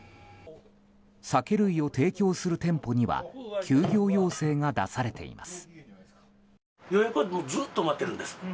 酒類を提供する店舗には休業要請が出されています。